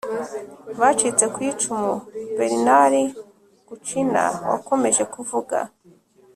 bacitse ku icumu! bernard kouchner wakomeje kuvuga